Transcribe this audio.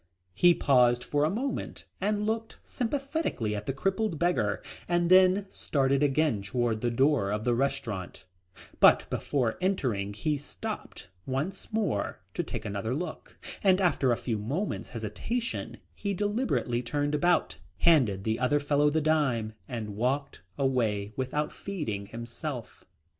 He paused for a moment and looked sympathetically at the crippled beggar and then started again toward the door of the restaurant, but before entering he stopped once more to take another look, and after a few moments' hesitation he deliberately turned about, handed the other fellow the dime and walked away without feeding himself.